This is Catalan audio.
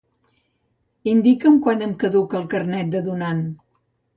Indica'm quan em caduca el carnet de donant.